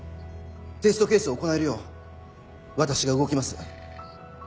テストケースを行えるよう私が動きます